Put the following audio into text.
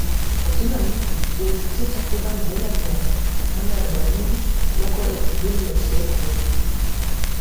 kwa kila mtu lilifikia takriban dola mia nane arobaini mwaka wa elfu mbili na ishirini na moja